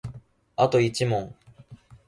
あと一問